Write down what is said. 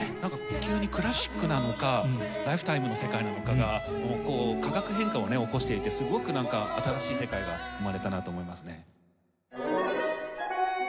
急にクラシックなのか『Ｌｉｆｅｔｉｍｅ』の世界なのかがこう化学変化をね起こしていてすごく新しい世界が生まれたなと思いますね。